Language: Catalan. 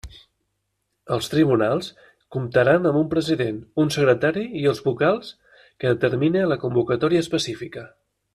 Els tribunals comptaran amb un president, un secretari i els vocals que determine la convocatòria específica.